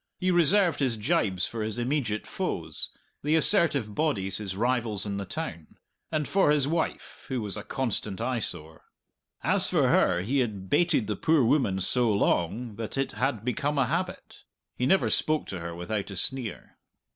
He reserved his gibes for his immediate foes, the assertive bodies his rivals in the town and for his wife, who was a constant eyesore. As for her, he had baited the poor woman so long that it had become a habit; he never spoke to her without a sneer.